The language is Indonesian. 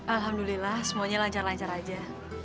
alhamdulillah semuanya lancar lancar aja